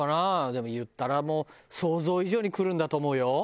でも言ったらもう想像以上にくるんだと思うよ。